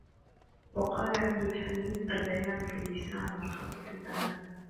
وَقَالَ عَبْدُ الْحَمِيدِ الْبَيَانُ فِي اللِّسَانِ وَالْخَطُّ فِي الْبَنَانِ